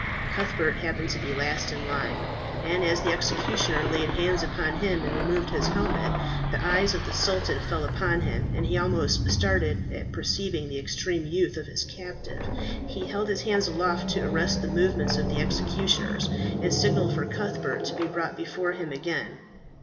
Cuthbert happened to be last in the line, and as the executioners laid hands upon him and removed his helmet, the eye of the sultan fell upon him, and he almost started at perceiving the extreme youth of his captive. He held his hand aloft to arrest the movements of the executioners, and signalled for Cuthbert to be brought before him again.